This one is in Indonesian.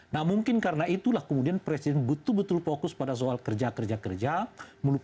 nah mungkin karena itulah kemudian presiden betul betul menanggap presiden ini sebagai seorang yang berpengaruh untuk menanggung kekuasaan masyarakat